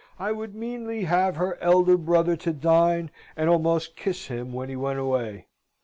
I would meanly have her elder brother to dine, and almost kiss him when he went away.